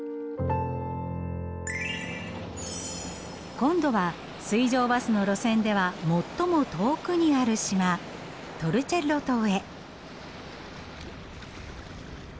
今度は水上バスの路線では最も遠くにある島トルチェッロ島へ。